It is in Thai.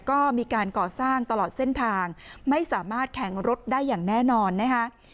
ก็มีการก่อสร้างตลอดเส้นทางไม่สามารถแข่งรถได้อย่างแน่นอนนะคะ